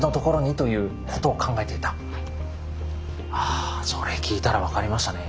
あそれ聞いたら分かりましたね。